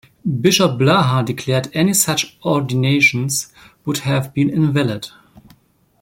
Bishop Blaha declared any such ordinations would have been invalid.